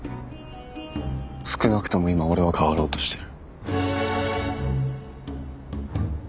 少なくとも今俺は変わろうとしてる。